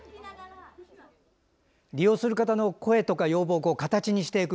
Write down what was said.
利用する方の声とか要望を形にしていく。